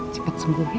cepet sembuh ya